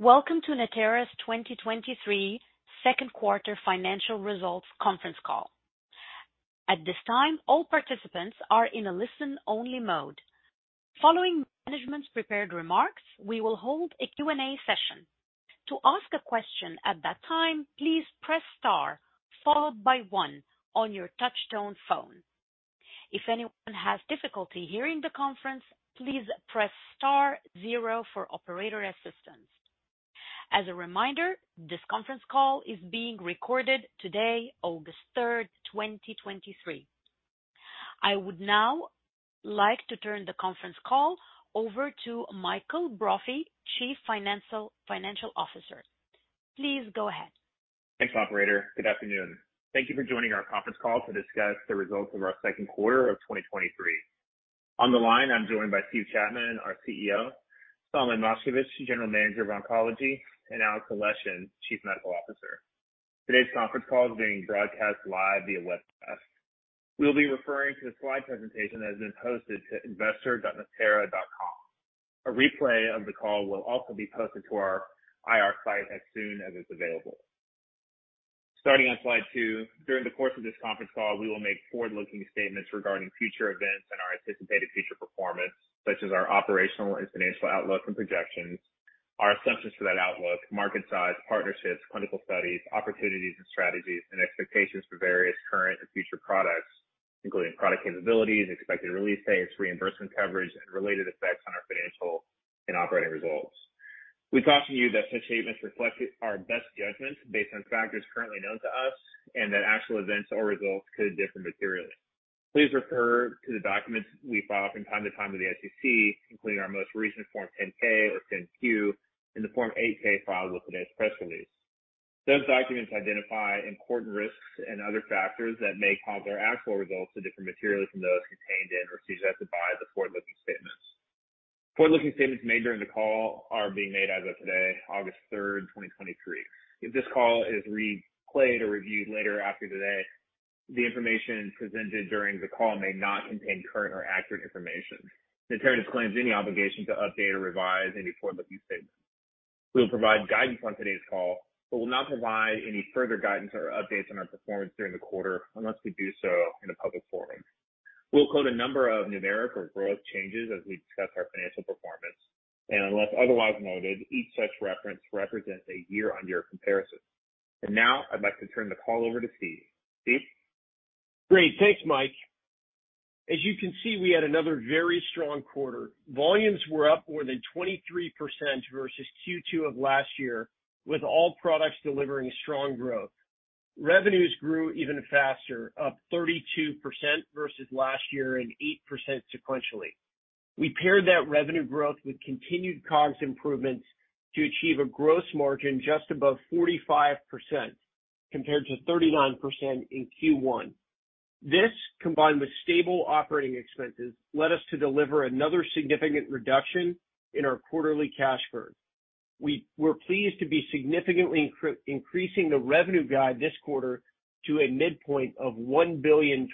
Welcome to Natera's 2023 second quarter financial results conference call. At this time, all participants are in a listen-only mode. Following management's prepared remarks, we will hold a Q&A session. To ask a question at that time, please press star followed by one on your touchtone phone. If anyone has difficulty hearing the conference, please press star zero for operator assistance. As a reminder, this conference call is being recorded today, August 3rd, 2023. I would now like to turn the conference call over to Michael Brophy, Chief Financial Officer. Please go ahead. Thanks, operator. Good afternoon. Thank you for joining our conference call to discuss the results of our second quarter of 2023. On the line, I'm joined by Steve Chapman, our CEO, Solomon Moshkevich, General Manager of Oncology, and Alex Aleshin, Chief Medical Officer. Today's conference call is being broadcast live via webcast. We'll be referring to the slide presentation that has been posted to investor.natera.com. A replay of the call will also be posted to our IR site as soon as it's available. Starting on slide two, during the course of this conference call, we will make forward-looking statements regarding future events and our anticipated future performance, such as our operational and financial outlook and projections, our assumptions for that outlook, market size, partnerships, clinical studies, opportunities and strategies, and expectations for various current and future products, including product capabilities, expected release dates, reimbursement coverage, and related effects on our financial and operating results. We talk to you that such statements reflect our best judgment based on factors currently known to us, and that actual events or results could differ materially. Please refer to the documents we file from time to time with the SEC, including our most recent Form 10-K or 10-Q, and the Form 8-K filed with today's press release. Those documents identify important risks and other factors that may cause our actual results to differ materially from those contained in or suggested by the forward-looking statements. Forward-looking statements made during the call are being made as of today, August 3rd, 2023. If this call is replayed or reviewed later after today, the information presented during the call may not contain current or accurate information. Natera disclaims any obligation to update or revise any forward-looking statements. We will provide guidance on today's call, but will not provide any further guidance or updates on our performance during the quarter, unless we do so in a public forum. We'll quote a number of numeric or growth changes as we discuss our financial performance, unless otherwise noted, each such reference represents a year-on-year comparison. Now I'd like to turn the call over to Steve. Steve? Great. Thanks, Mike. As you can see, we had another very strong quarter. Volumes were up more than 23% versus Q2 of last year, with all products delivering strong growth. Revenues grew even faster, up 32% versus last year and 8% sequentially. We paired that revenue growth with continued COGS improvements to achieve a gross margin just above 45%, compared to 39% in Q1. This, combined with stable operating expenses, led us to deliver another significant reduction in our quarterly cash burn. We're pleased to be significantly increasing the revenue guide this quarter to a midpoint of $1.025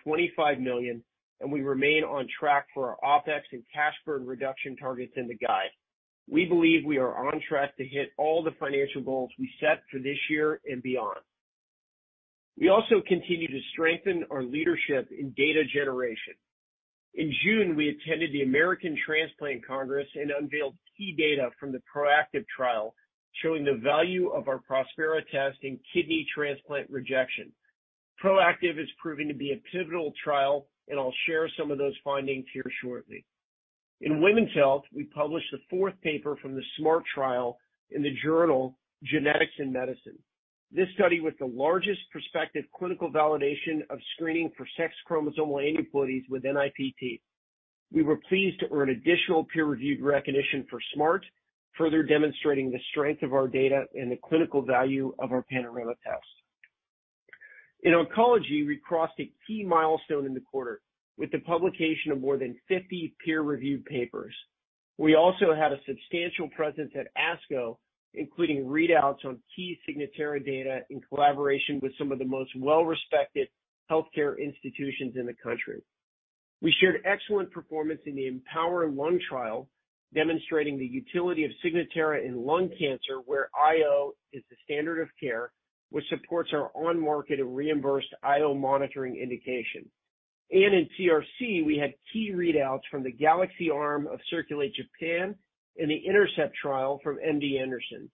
billion, and we remain on track for our OpEx and cash burn reduction targets in the guide. We believe we are on track to hit all the financial goals we set for this year and beyond. We also continue to strengthen our leadership in data generation. In June, we attended the American Transplant Congress and unveiled key data from the ProActive trial, showing the value of our Prospera test in kidney transplant rejection. ProActive is proving to be a pivotal trial, and I'll share some of those findings here shortly. In women's health, we published the fourth paper from the SMART trial in the journal Genetics in Medicine. This study was the largest prospective clinical validation of screening for sex chromosome aneuploidies with NIPT. We were pleased to earn additional peer-reviewed recognition for SMART, further demonstrating the strength of our data and the clinical value of our Panorama test. In oncology, we crossed a key milestone in the quarter with the publication of more than 50 peer-reviewed papers. We also had a substantial presence at ASCO, including readouts on key Signatera data in collaboration with some of the most well-respected healthcare institutions in the country. We shared excellent performance in the EMPower Lung trial, demonstrating the utility of Signatera in lung cancer, where IO is the standard of care, which supports our on-market and reimbursed IO monitoring indication. In CRC, we had key readouts from the GALAXY arm of CIRCULATE-Japan and the INTERCEPT trial from MD Anderson.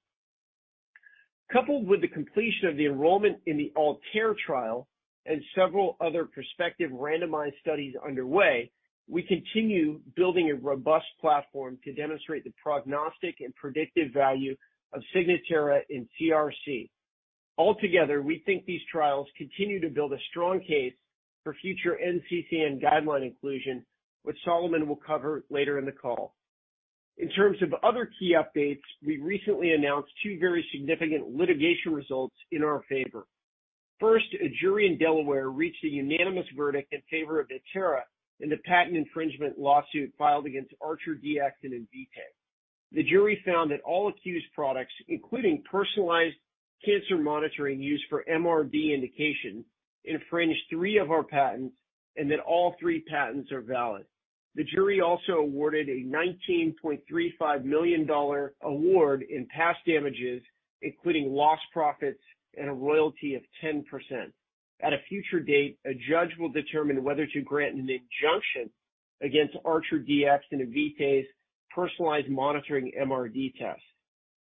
Coupled with the completion of the enrollment in the ALTAIR trial and several other prospective randomized studies underway, we continue building a robust platform to demonstrate the prognostic and predictive value of Signatera in CRC. Altogether, we think these trials continue to build a strong case for future NCCN guideline inclusion, which Solomon will cover later in the call. In terms of other key updates, we recently announced two very significant litigation results in our favor. First, a jury in Delaware reached a unanimous verdict in favor of Natera in the patent infringement lawsuit filed against ArcherDX and Invitae. The jury found that all accused products, including personalized cancer monitoring used for MRD indication, infringed three of our patents and that all three patents are valid. The jury also awarded a $19.35 million award in past damages, including lost profits and a royalty of 10%. At a future date, a judge will determine whether to grant an injunction against ArcherDX and Invitae's personalized monitoring MRD test.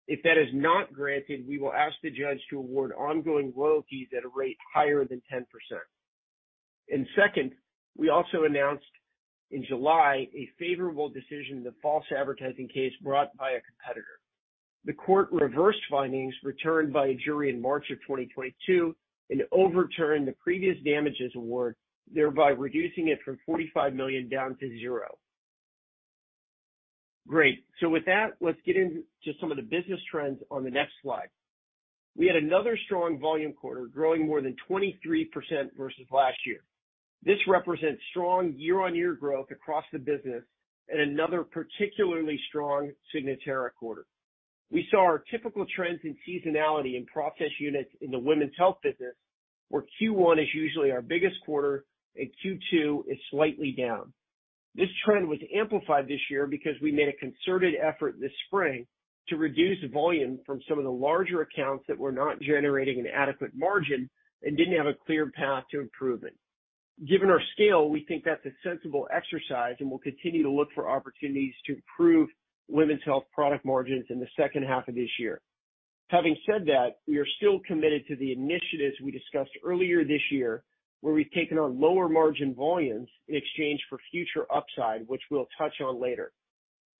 If that is not granted, we will ask the judge to award ongoing royalties at a rate higher than 10%. Second, we also announced in July a favorable decision in the false advertising case brought by a competitor. The court reversed findings returned by a jury in March of 2022 and overturned the previous damages award, thereby reducing it from $45 million down to zero. Great. With that, let's get into some of the business trends on the next slide. We had another strong volume quarter, growing more than 23% versus last year. This represents strong year-on-year growth across the business and another particularly strong Signatera quarter. We saw our typical trends in seasonality in processed units in the women's health business, where Q1 is usually our biggest quarter and Q2 is slightly down. This trend was amplified this year because we made a concerted effort this spring to reduce volume from some of the larger accounts that were not generating an adequate margin and didn't have a clear path to improvement. Given our scale, we think that's a sensible exercise. We'll continue to look for opportunities to improve women's health product margins in the second half of this year. Having said that, we are still committed to the initiatives we discussed earlier this year, where we've taken on lower margin volumes in exchange for future upside, which we'll touch on later.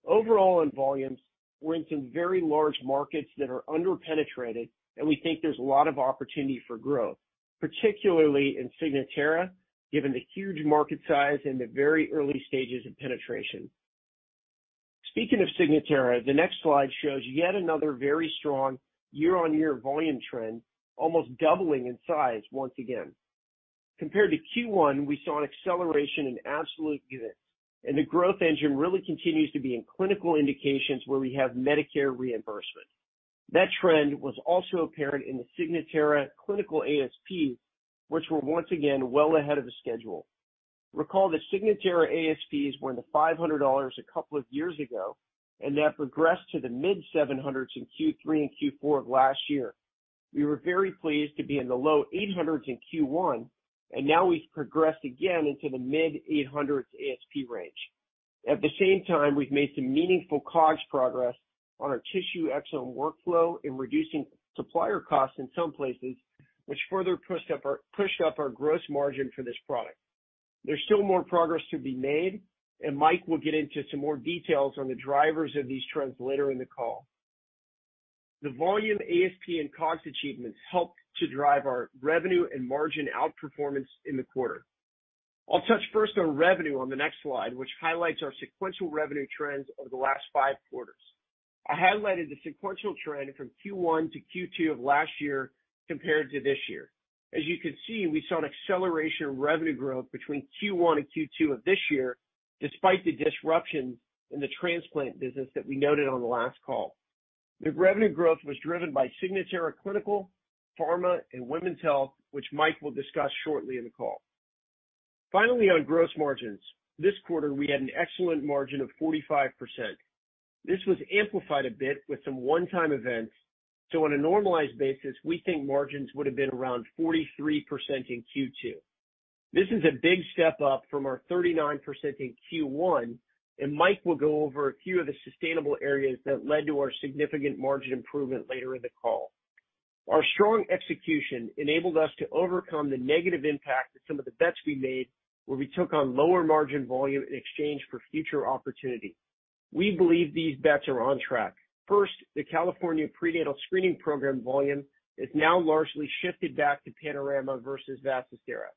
Overall, in volumes, we're in some very large markets that are underpenetrated. We think there's a lot of opportunity for growth, particularly in Signatera, given the huge market size and the very early stages of penetration. Speaking of Signatera, the next slide shows yet another very strong year-over-year volume trend, almost doubling in size once again. Compared to Q1, we saw an acceleration in absolute units, and the growth engine really continues to be in clinical indications where we have Medicare reimbursement. That trend was also apparent in the Signatera clinical ASP, which were once again well ahead of the schedule. Recall that Signatera ASPs were in the $500 a couple of years ago, and that progressed to the mid-$700s in Q3 and Q4 of last year. We were very pleased to be in the low $800s in Q1, and now we've progressed again into the mid-$800s ASP range. At the same time, we've made some meaningful COGS progress on our tissue exome workflow in reducing supplier costs in some places, which further pushed up our gross margin for this product. There's still more progress to be made. Mike will get into some more details on the drivers of these trends later in the call. The volume, ASP, and COGS achievements helped to drive our revenue and margin outperformance in the quarter. I'll touch first on revenue on the next slide, which highlights our sequential revenue trends over the last five quarters. I highlighted the sequential trend from Q1 to Q2 of last year compared to this year. As you can see, we saw an acceleration in revenue growth between Q1 and Q2 of this year, despite the disruption in the transplant business that we noted on the last call. The revenue growth was driven by Signatera clinical, pharma, and women's health, which Mike will discuss shortly in the call. Finally, on gross margins, this quarter, we had an excellent margin of 45%. This was amplified a bit with some one-time events, so on a normalized basis, we think margins would have been around 43% in Q2. This is a big step up from our 39% in Q1. Mike will go over a few of the sustainable areas that led to our significant margin improvement later in the call. Our strong execution enabled us to overcome the negative impact of some of the bets we made, where we took on lower margin volume in exchange for future opportunity. We believe these bets are on track. First, the California Prenatal Screening Program volume is now largely shifted back to Panorama versus Vasistera,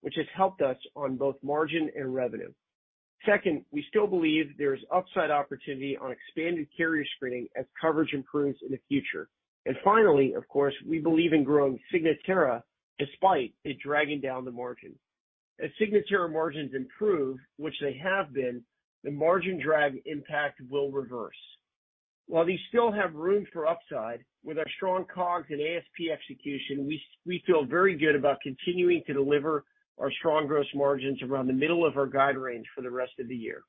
which has helped us on both margin and revenue. Second, we still believe there is upside opportunity on expanded carrier screening as coverage improves in the future. Finally, of course, we believe in growing Signatera despite it dragging down the margin. As Signatera margins improve, which they have been, the margin drag impact will reverse. While these still have room for upside, with our strong COGS and ASP execution, we feel very good about continuing to deliver our strong gross margins around the middle of our guide range for the rest of the year.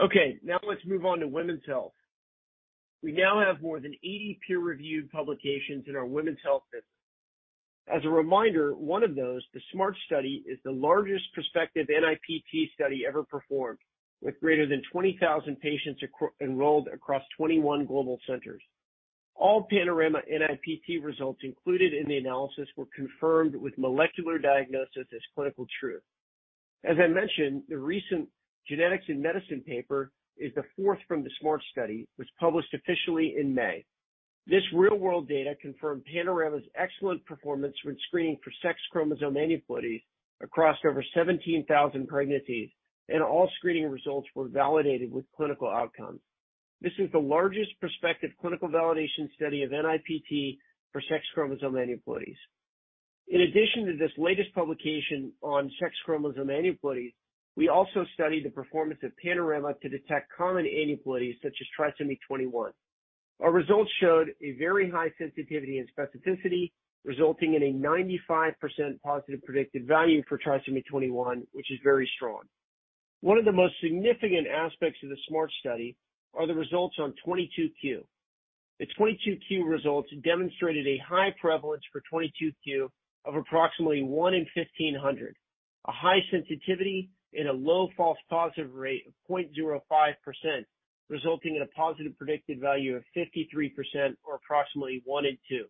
Okay, now let's move on to women's health. We now have more than 80 peer-reviewed publications in our women's health business. As a reminder, one of those, the SMART trial, is the largest prospective NIPT study ever performed, with greater than 20,000 patients enrolled across 21 global centers. All Panorama NIPT results included in the analysis were confirmed with molecular diagnosis as clinical truth. As I mentioned, the recent Genetics in Medicine paper is the fourth from the SMART trial, which published officially in May. This real-world data confirmed Panorama's excellent performance when screening for sex chromosome aneuploidy across over 17,000 pregnancies, and all screening results were validated with clinical outcomes. This is the largest prospective clinical validation study of NIPT for sex chromosome aneuploidies. In addition to this latest publication on sex chromosome aneuploidies, we also studied the performance of Panorama to detect common aneuploidies, such as trisomy 21. Our results showed a very high sensitivity and specificity, resulting in a 95% positive predictive value for trisomy 21, which is very strong. One of the most significant aspects of the SMART study are the results on 22q. The 22q results demonstrated a high prevalence for 22q of approximately 1 in 1,500, a high sensitivity and a low false positive rate of 0.05%, resulting in a positive predictive value of 53%, or approximately 1 in 2.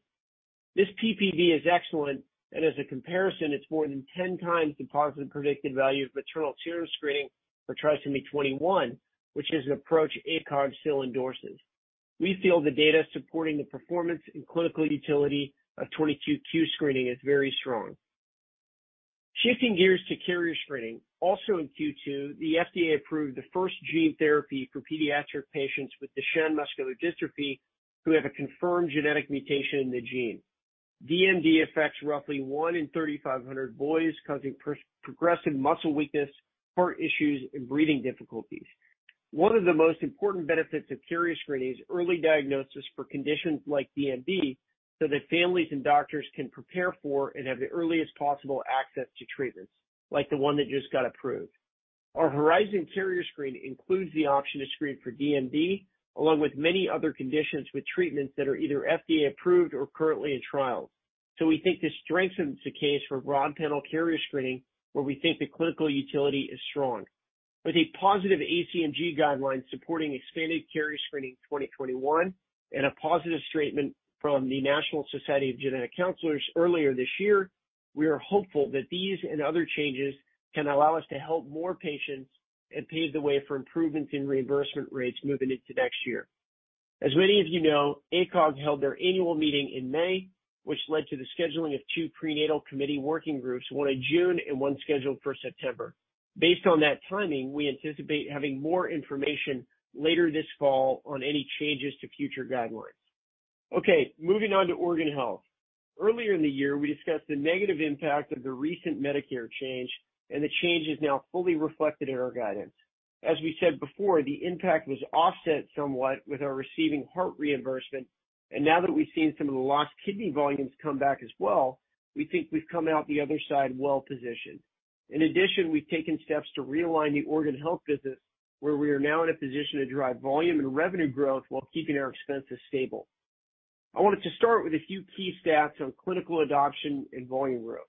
This PPV is excellent, as a comparison, it's more than 10 times the positive predictive value of maternal serum screening for trisomy 21, which is an approach ACOG still endorses. We feel the data supporting the performance and clinical utility of 22q screening is very strong. Shifting gears to carrier screening, also in Q2, the FDA approved the first gene therapy for pediatric patients with Duchenne muscular dystrophy, who have a confirmed genetic mutation in the gene. DMD affects roughly 1 in 3,500 boys, causing progressive muscle weakness, heart issues, and breathing difficulties. One of the most important benefits of carrier screening is early diagnosis for conditions like DMD, so that families and doctors can prepare for and have the earliest possible access to treatments, like the one that just got approved. Our Horizon carrier screen includes the option to screen for DMD, along with many other conditions with treatments that are either FDA approved or currently in trials. We think this strengthens the case for broad panel carrier screening, where we think the clinical utility is strong. With a positive ACMG guideline supporting expanded carrier screening in 2021, and a positive statement from the National Society of Genetic Counselors earlier this year, we are hopeful that these and other changes can allow us to help more patients and pave the way for improvements in reimbursement rates moving into next year. As many of you know, ACOG held their annual meeting in May, which led to the scheduling of two prenatal committee working groups, one in June and one scheduled for September. Based on that timing, we anticipate having more information later this fall on any changes to future guidelines. Okay, moving on to organ health. Earlier in the year, we discussed the negative impact of the recent Medicare change. The change is now fully reflected in our guidance. As we said before, the impact was offset somewhat with our receiving heart reimbursement, and now that we've seen some of the lost kidney volumes come back as well, we think we've come out the other side well-positioned. In addition, we've taken steps to realign the organ health business, where we are now in a position to drive volume and revenue growth while keeping our expenses stable. I wanted to start with a few key stats on clinical adoption and volume growth.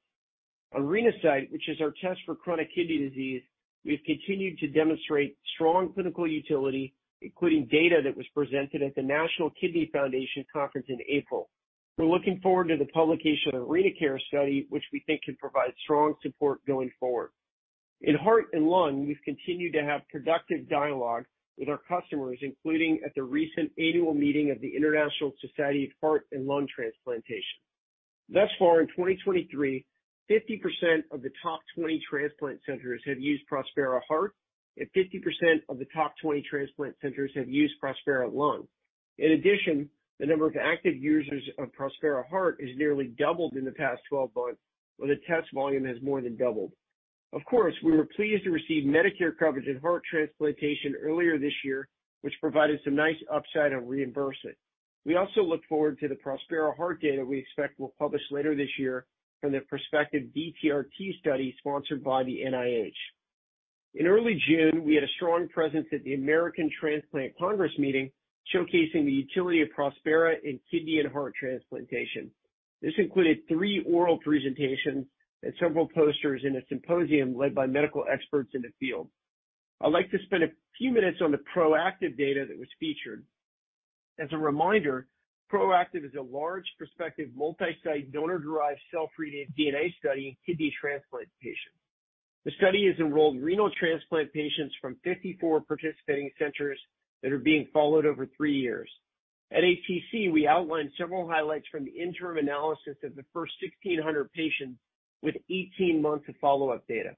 Renasight, which is our test for chronic kidney disease, we've continued to demonstrate strong clinical utility, including data that was presented at the National Kidney Foundation conference in April. We're looking forward to the publication of RenaCARE study, which we think can provide strong support going forward. In heart and lung, we've continued to have productive dialogue with our customers, including at the recent annual meeting of the International Society for Heart and Lung Transplantation. Thus far in 2023, 50% of the top 20 transplant centers have used Prospera Heart, and 50% of the top 20 transplant centers have used Prospera Lung. In addition, the number of active users of Prospera Heart has nearly doubled in the past 12 months, while the test volume has more than doubled. Of course, we were pleased to receive Medicare coverage in heart transplantation earlier this year, which provided some nice upside on reimbursement. We also look forward to the Prospera Heart data we expect we'll publish later this year from the prospective DTRT study sponsored by the NIH. In early June, we had a strong presence at the American Transplant Congress meeting, showcasing the utility of Prospera in kidney and heart transplantation. This included three oral presentations and several posters in a symposium led by medical experts in the field. I'd like to spend a few minutes on the ProActive data that was featured. As a reminder, ProActive is a large prospective, multi-site, donor-derived cell-free DNA study in kidney transplant patients. The study has enrolled renal transplant patients from 54 participating centers that are being followed over three years. At ATC, we outlined several highlights from the interim analysis of the first 1,600 patients with 18 months of follow-up data.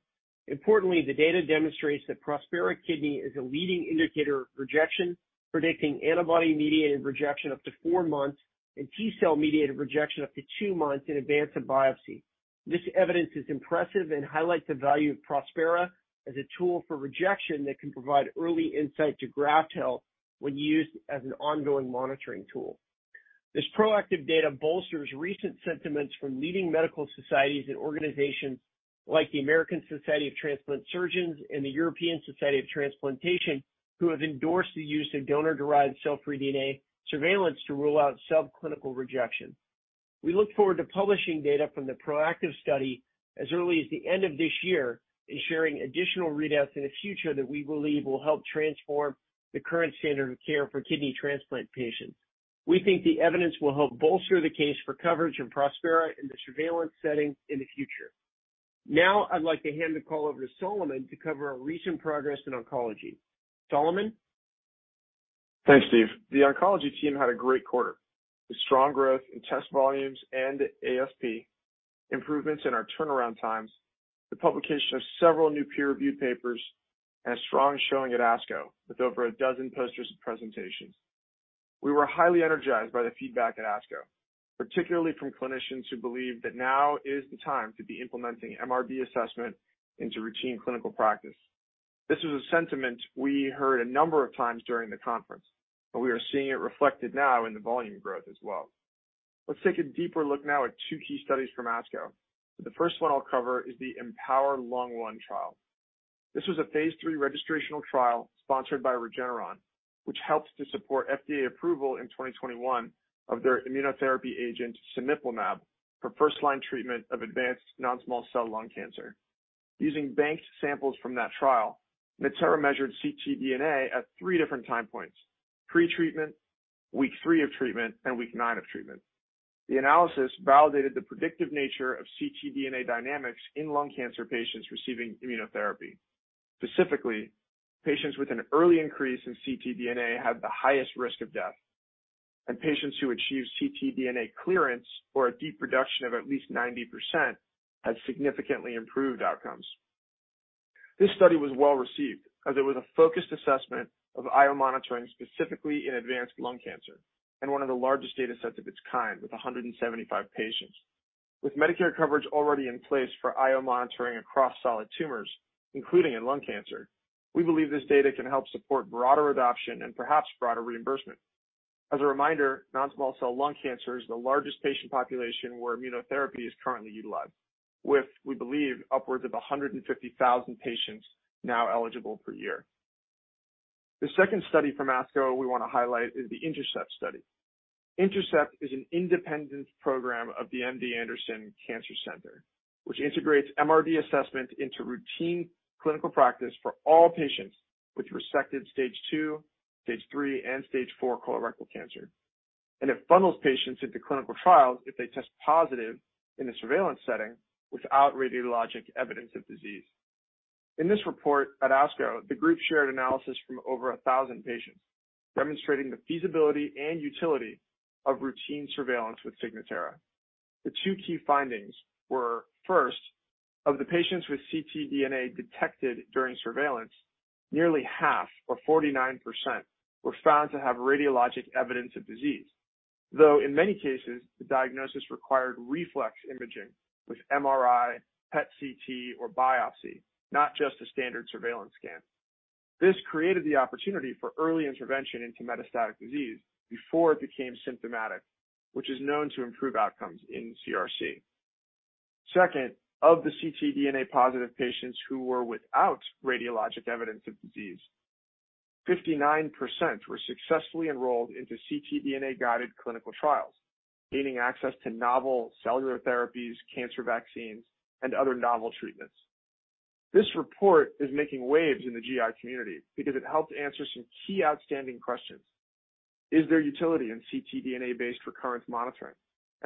Importantly, the data demonstrates that Prospera kidney is a leading indicator of rejection, predicting antibody-mediated rejection up to four months and T-cell-mediated rejection up to two months in advance of biopsy. This evidence is impressive and highlights the value of Prospera as a tool for rejection that can provide early insight to graft health when used as an ongoing monitoring tool. This proactive data bolsters recent sentiments from leading medical societies and organizations like the American Society of Transplant Surgeons and the European Society of Transplantation, who have endorsed the use of donor-derived cell-free DNA surveillance to rule out subclinical rejection. We look forward to publishing data from the ProActive study as early as the end of this year and sharing additional readouts in the future that we believe will help transform the current standard of care for kidney transplant patients. We think the evidence will help bolster the case for coverage of Prospera in the surveillance setting in the future. Now, I'd like to hand the call over to Solomon to cover our recent progress in oncology. Solomon? Thanks, Steve. The oncology team had a great quarter, with strong growth in test volumes and ASP, improvements in our turnaround times, the publication of several new peer-reviewed papers, and a strong showing at ASCO, with over a dozen posters and presentations. We were highly energized by the feedback at ASCO, particularly from clinicians who believe that now is the time to be implementing MRD assessment into routine clinical practice. This was a sentiment we heard a number of times during the conference, and we are seeing it reflected now in the volume growth as well. Let's take a deeper look now at two key studies from ASCO. The first one I'll cover is the EMPower Lung-1 trial. This was a phase III registrational trial sponsored by Regeneron, which helped to support FDA approval in 2021 of their immunotherapy agent, cemiplimab, for first-line treatment of advanced non-small cell lung cancer. Using banked samples from that trial, Natera measured ctDNA at three different time points: pretreatment, week three of treatment, and week nine of treatment. The analysis validated the predictive nature of ctDNA dynamics in lung cancer patients receiving immunotherapy. Specifically, patients with an early increase in ctDNA had the highest risk of death, and patients who achieved ctDNA clearance or a deep reduction of at least 90% had significantly improved outcomes. This study was well-received as it was a focused assessment of IO monitoring, specifically in advanced lung cancer and one of the largest data sets of its kind, with 175 patients. With Medicare coverage already in place for IO monitoring across solid tumors, including in lung cancer, we believe this data can help support broader adoption and perhaps broader reimbursement. As a reminder, non-small cell lung cancer is the largest patient population where immunotherapy is currently utilized, with, we believe, upwards of 150,000 patients now eligible per year. The second study from ASCO we want to highlight is the INTERCEPT study. INTERCEPT is an independent program of the MD Anderson Cancer Center, which integrates MRD assessment into routine clinical practice for all patients with resected stage 2, stage 3, and stage 4 colorectal cancer. It funnels patients into clinical trials if they test positive in a surveillance setting without radiologic evidence of disease. In this report at ASCO, the group shared analysis from over 1,000 patients, demonstrating the feasibility and utility of routine surveillance with Signatera. The two key findings were, first, of the patients with ctDNA detected during surveillance, nearly half, or 49%, were found to have radiologic evidence of disease, though in many cases, the diagnosis required reflex imaging with MRI, PET-CT, or biopsy, not just a standard surveillance scan. This created the opportunity for early intervention into metastatic disease before it became symptomatic, which is known to improve outcomes in CRC. Second, of the ctDNA-positive patients who were without radiologic evidence of disease, 59% were successfully enrolled into ctDNA-guided clinical trials, gaining access to novel cellular therapies, cancer vaccines, and other novel treatments. This report is making waves in the GI community because it helped answer some key outstanding questions: Is there utility in ctDNA-based recurrence monitoring?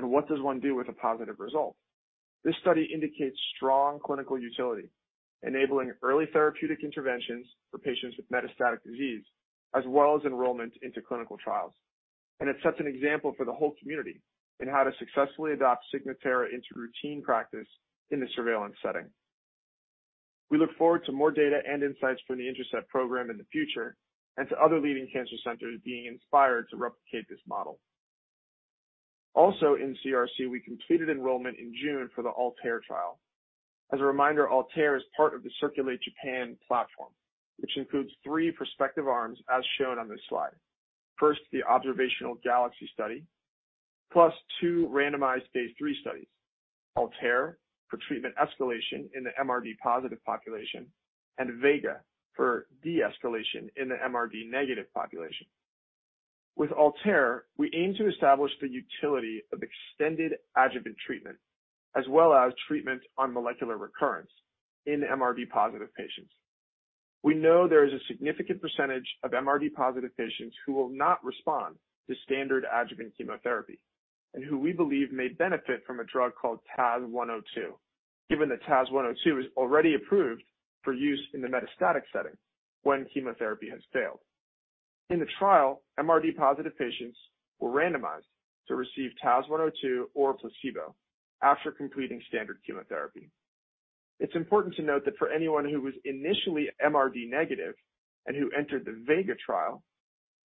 What does one do with a positive result? This study indicates strong clinical utility, enabling early therapeutic interventions for patients with metastatic disease, as well as enrollment into clinical trials. It sets an example for the whole community in how to successfully adopt Signatera into routine practice in a surveillance setting. We look forward to more data and insights from the INTERCEPT program in the future and to other leading cancer centers being inspired to replicate this model. Also in CRC, we completed enrollment in June for the ALTAIR trial. As a reminder, ALTAIR is part of the CIRCULATE-Japan platform, which includes three prospective arms, as shown on this slide. First, the observational GALAXY study, plus two randomized phase III studies: ALTAIR for treatment escalation in the MRD-positive population and VEGA for de-escalation in the MRD-negative population. With ALTAIR, we aim to establish the utility of extended adjuvant treatment, as well as treatment on molecular recurrence in MRD-positive patients. We know there is a significant percentage of MRD-positive patients who will not respond to standard adjuvant chemotherapy and who we believe may benefit from a drug called TAS-102, given that TAS-102 is already approved for use in the metastatic setting when chemotherapy has failed. In the trial, MRD-positive patients were randomized to receive TAS-102 or a placebo after completing standard chemotherapy. It's important to note that for anyone who was initially MRD negative and who entered the VEGA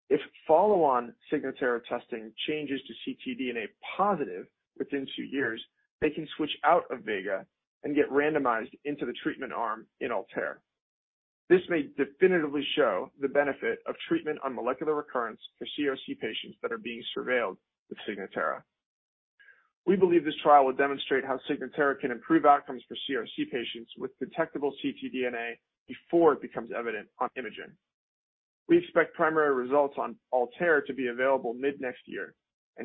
trial, if follow-on Signatera testing changes to ctDNA positive within 2 years, they can switch out of VEGA and get randomized into the treatment arm in ALTAIR. This may definitively show the benefit of treatment on molecular recurrence for CRC patients that are being surveilled with Signatera. We believe this trial will demonstrate how Signatera can improve outcomes for CRC patients with detectable ctDNA before it becomes evident on imaging.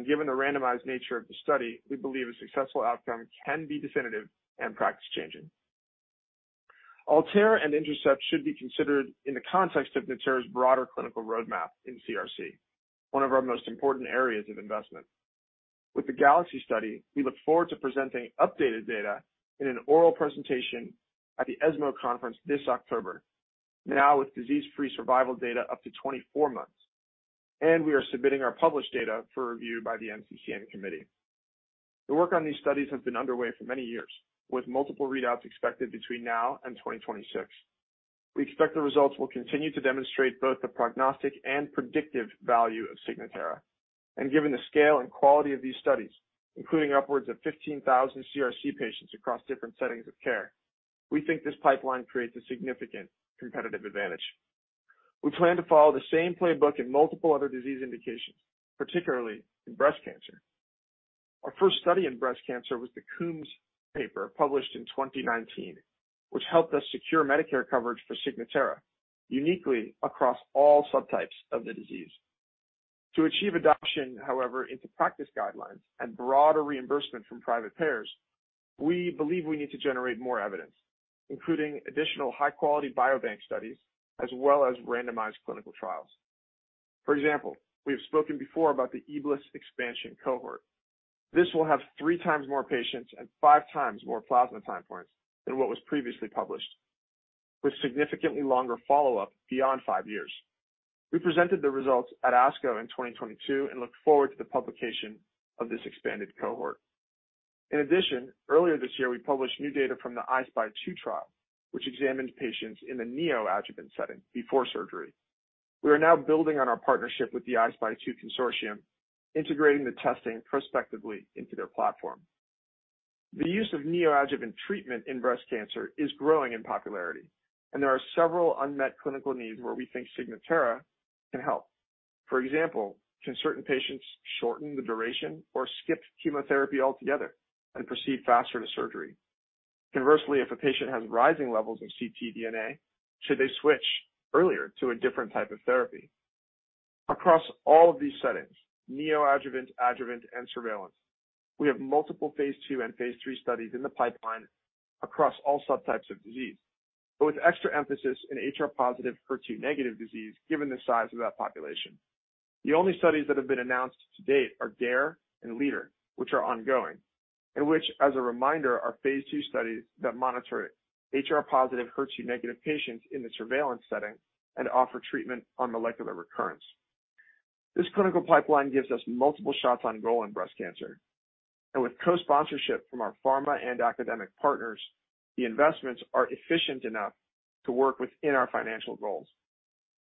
Given the randomized nature of the study, we believe a successful outcome can be definitive and practice-changing. ALTAIR and INTERCEPT should be considered in the context of Natera's broader clinical roadmap in CRC, one of our most important areas of investment. With the GALAXY study, we look forward to presenting updated data in an oral presentation at the ESMO Conference this October, now with disease-free survival data up to 24 months. We are submitting our published data for review by the NCCN committee. The work on these studies has been underway for many years, with multiple readouts expected between now and 2026. We expect the results will continue to demonstrate both the prognostic and predictive value of Signatera. Given the scale and quality of these studies, including upwards of 15,000 CRC patients across different settings of care, we think this pipeline creates a significant competitive advantage. We plan to follow the same playbook in multiple other disease indications, particularly in breast cancer. Our first study in breast cancer was the Coombes paper, published in 2019, which helped us secure Medicare coverage for Signatera, uniquely across all subtypes of the disease. To achieve adoption, however, into practice guidelines and broader reimbursement from private payers, we believe we need to generate more evidence, including additional high-quality biobank studies as well as randomized clinical trials. For example, we have spoken before about the EBLIS expansion cohort. This will have three times more patients and five times more plasma time points than what was previously published, with significantly longer follow-up beyond five years. We presented the results at ASCO in 2022 and look forward to the publication of this expanded cohort. In addition, earlier this year, we published new data from the I-SPY 2 trial, which examined patients in the neoadjuvant setting before surgery. We are now building on our partnership with the I-SPY 2 consortium, integrating the testing prospectively into their platform. The use of neoadjuvant treatment in breast cancer is growing in popularity. There are several unmet clinical needs where we think Signatera can help. For example, can certain patients shorten the duration or skip chemotherapy altogether and proceed faster to surgery? Conversely, if a patient has rising levels of ctDNA, should they switch earlier to a different type of therapy? Across all of these settings, neoadjuvant, adjuvant, and surveillance, we have multiple phase II and phase III studies in the pipeline across all subtypes of disease, but with extra emphasis in HR-positive, HER2-negative disease, given the size of that population. The only studies that have been announced to date are DARE and LEADER, which are ongoing, and which, as a reminder, are phase II studies that monitor HR-positive, HER2-negative patients in the surveillance setting and offer treatment on molecular recurrence. This clinical pipeline gives us multiple shots on goal in breast cancer, and with co-sponsorship from our pharma and academic partners, the investments are efficient enough to work within our financial goals.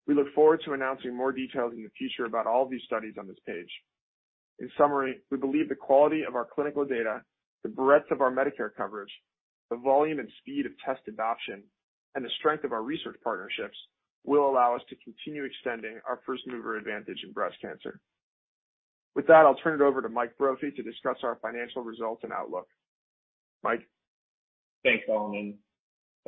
We look forward to announcing more details in the future about all of these studies on this page. In summary, we believe the quality of our clinical data, the breadth of our Medicare coverage, the volume and speed of test adoption, and the strength of our research partnerships will allow us to continue extending our first-mover advantage in breast cancer. With that, I'll turn it over to Mike Brophy to discuss our financial results and outlook. Mike? Thanks, Solomon.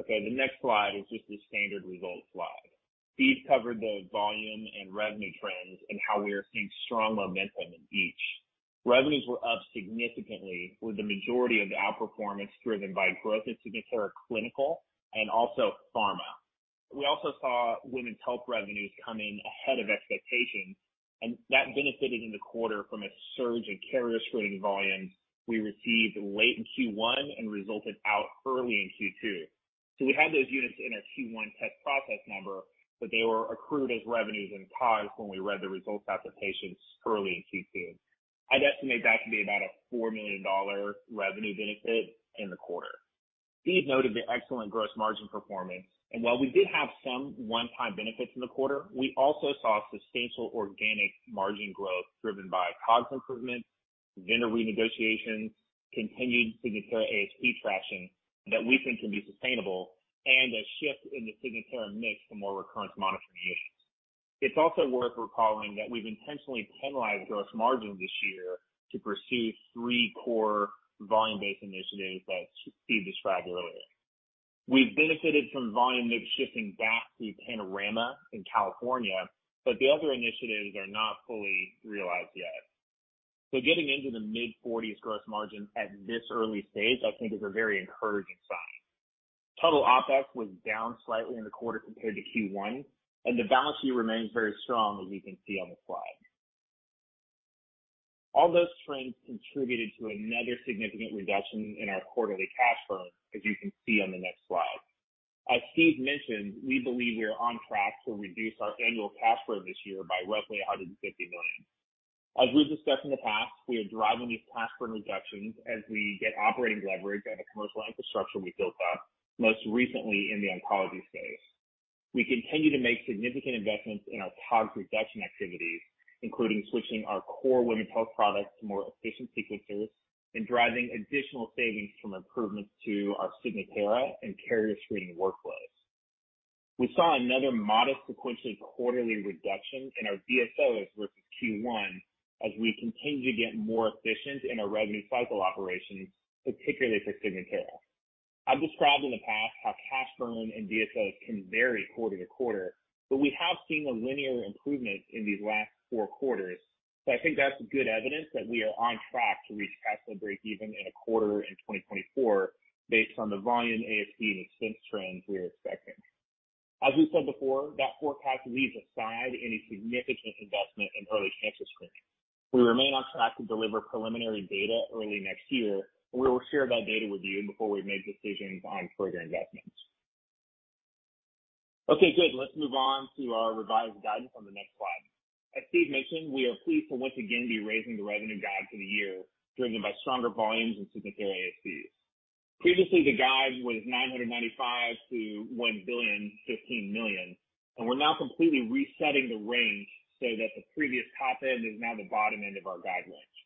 Okay, the next slide is just the standard results slide. Steve covered the volume and revenue trends and how we are seeing strong momentum in each. Revenues were up significantly, with the majority of the outperformance driven by growth at Signatera clinical and also pharma. We also saw women's health revenues come in ahead of expectations, that benefited in the quarter from a surge in carrier screening volumes we received late in Q1 and resulted out early in Q2. We had those units in our Q1 test process number, but they were accrued as revenues and COGS when we read the results out to patients early in Q2. I'd estimate that to be about a $4 million revenue benefit in the quarter. Steve noted the excellent gross margin performance, and while we did have some one-time benefits in the quarter, we also saw sustainable organic margin growth driven by COGS improvements, vendor renegotiations, continued Signatera ASP traction that we think can be sustainable, and a shift in the Signatera mix to more recurrence monitoring initiatives. It's also worth recalling that we've intentionally penalized gross margin this year to pursue three core volume-based initiatives that Steve described earlier. We've benefited from volume mix shifting back to Panorama in California, but the other initiatives are not fully realized yet. Getting into the mid-40s gross margin at this early stage I think is a very encouraging sign. Total OpEx was down slightly in the quarter compared to Q1, and the balance sheet remains very strong, as we can see on the slide. All those strengths contributed to another significant reduction in our quarterly cash burn, as you can see on the next slide. As Steve mentioned, we believe we are on track to reduce our annual cash burn this year by roughly $150 million. As we've discussed in the past, we are driving these cash burn reductions as we get operating leverage on the commercial infrastructure we built up, most recently in the oncology space. We continue to make significant investments in our COGS reduction activities, including switching our core women's health products to more efficient sequences and driving additional savings from improvements to our Signatera and carrier screening workflows. We saw another modest sequential quarterly reduction in our DSOs versus Q1 as we continue to get more efficient in our revenue cycle operations, particularly for Signatera. I've described in the past how cash burn and DSOs can vary quarter to quarter, but we have seen a linear improvement in these last four quarters, so I think that's good evidence that we are on track to reach cash flow breakeven in a quarter in 2024, based on the volume, ASP, and expense trends we are expecting. As we said before, that forecast leaves aside any significant investment in early cancer screening. We remain on track to deliver preliminary data early next year, and we will share that data with you before we make decisions on further investments. Okay, good. Let's move on to our revised guidance on the next slide. As Steve mentioned, we are pleased to once again be raising the revenue guide for the year, driven by stronger volumes and significant ASPs. Previously, the guide was $995 million-$1.015 billion, and we're now completely resetting the range so that the previous top end is now the bottom end of our guide range.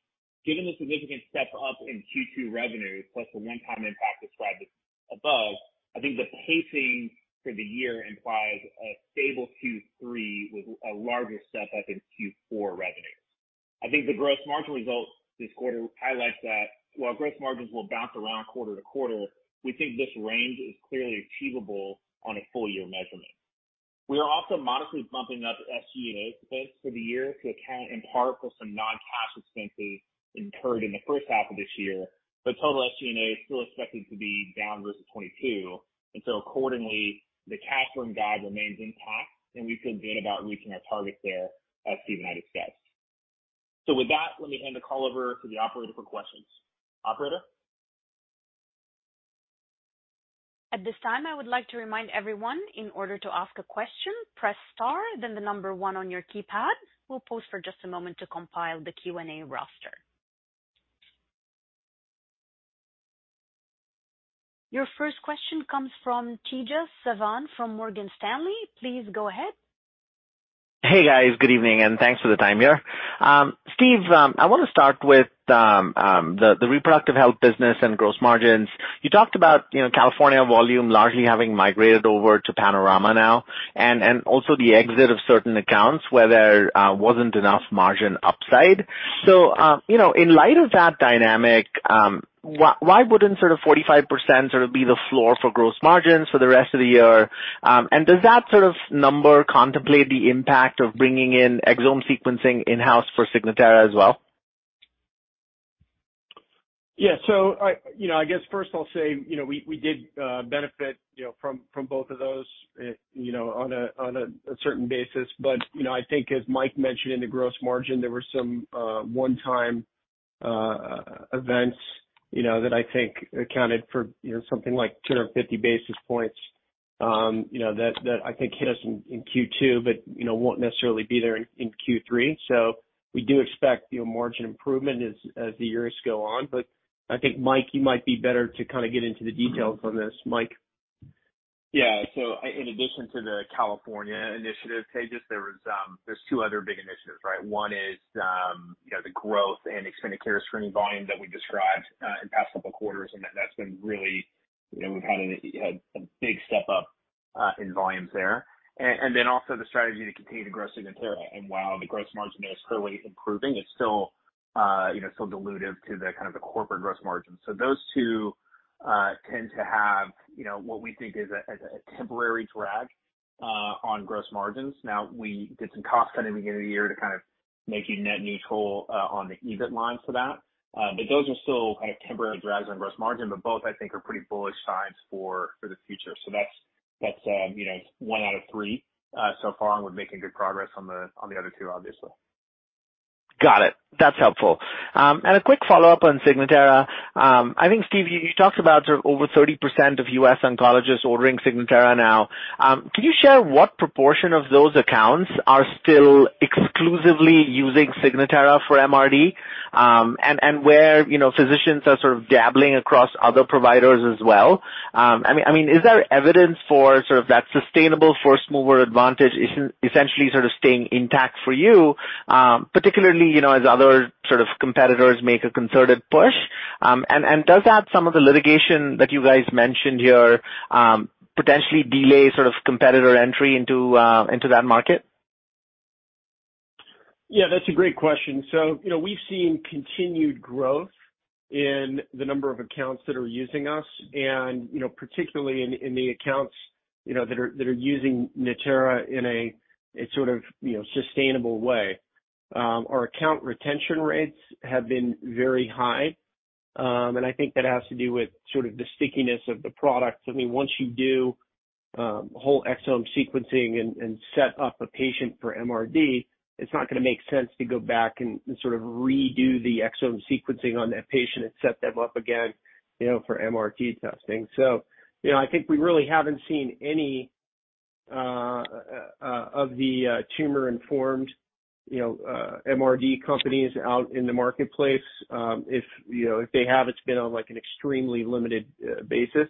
Given the significant step-up in Q2 revenue, plus the one-time impact described above, I think the pacing for the year implies a stable Q3 with a larger step-up in Q4 revenue. I think the gross margin result this quarter highlights that while gross margins will bounce around quarter-to-quarter, we think this range is clearly achievable on a full year measurement. We are also modestly bumping up the SG&A expense for the year to account in part for some non-cash expenses incurred in the first half of this year. Total SG&A is still expected to be down versus 2022. Accordingly, the cash flowing guide remains intact, and we feel good about reaching our target there as Steve mentioned earlier. With that, let me hand the call over to the operator for questions. Operator? At this time, I would like to remind everyone, in order to ask a question, press star, then the number one on your keypad. We'll pause for just a moment to compile the Q&A roster. Your first question comes from Tejas Savant from Morgan Stanley. Please go ahead. Hey, guys. Good evening, and thanks for the time here. Steve, I want to start with the reproductive health business and gross margins. You talked about, you know, California volume largely having migrated over to Panorama now and also the exit of certain accounts where there wasn't enough margin upside. You know, in light of that dynamic, why, why wouldn't sort of 45% sort of be the floor for gross margins for the rest of the year? Does that sort of number contemplate the impact of bringing in exome sequencing in-house for Signatera as well? Yeah. I, you know, I guess first I'll say, you know, we, we did benefit, you know, from, from both of those, you know, on a, on a, a certain basis. You know, I think as Mike mentioned in the gross margin, there were some one-time events, you know, that I think accounted for, you know, something like 250 basis points, you know, that, that I think hit us in, in Q2, but, you know, won't necessarily be there in, in Q3. We do expect, you know, margin improvement as, as the years go on. I think, Mike, you might be better to kind of get into the details on this. Mike? Yeah. In addition to the California initiative, Tejas, there was, there's two other big initiatives, right? One is, you know, the growth and expanded carrier screening volume that we described, in the past couple of quarters, and that's been really, you know, we've had a, a big step-up, in volumes there. Then also the strategy to continue to grow Signatera. While the gross margin is clearly improving, it's still, you know, still dilutive to the kind of the corporate gross margin. Those two, tend to have, you know, what we think is a, as a temporary drag, on gross margins. We did some cost cutting at the beginning of the year to kind of make it net neutral, on the EBIT line for that. Those are still kind of temporary drags on gross margin, but both I think are pretty bullish signs for, for the future. That's, that's, you know, one out of three so far, and we're making good progress on the, on the other two, obviously. Got it. That's helpful. A quick follow-up on Signatera. I think, Steve, you, you talked about sort of over 30% of U.S. oncologists ordering Signatera now. Can you share what proportion of those accounts are still exclusively using Signatera for MRD? Where, you know, physicians are sort of dabbling across other providers as well. I mean, I mean, is there evidence for sort of that sustainable first mover advantage essentially sort of staying intact for you, particularly, you know, as other sort of competitors make a concerted push? Does that some of the litigation that you guys mentioned here, potentially delay sort of competitor entry into that market? Yeah, that's a great question. You know, we've seen continued growth in the number of accounts that are using us and, you know, particularly in, in the accounts, you know, that are, that are using Natera in a, in sort of, you know, sustainable way. Our account retention rates have been very high, and I think that has to do with sort of the stickiness of the product. I mean, once you do whole exome sequencing and, and set up a patient for MRD, it's not gonna make sense to go back and, and sort of redo the exome sequencing on that patient and set them up again, you know, for MRD testing. You know, I think we really haven't seen any of the tumor-informed, you know, MRD companies out in the marketplace. If, you know, if they have, it's been on, like, an extremely limited basis.